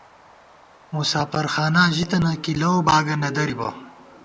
مُساپر خاناں ژی تنہ ، کی لؤ باگہ نہ درِبہ